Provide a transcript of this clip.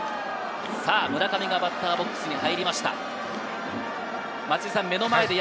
村上がバッターボックスに入りました。